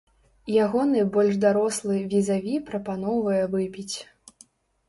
Ягоны больш дарослы візаві прапаноўвае выпіць.